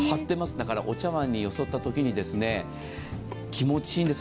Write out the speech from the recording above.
だからお茶わんによそったときに気持ちいいんです。